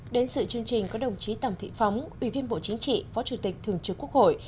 đến sự chương trình có đồng chí tòng thị phóng ủy viên bộ chính trị phó chủ tịch thường trực quốc hội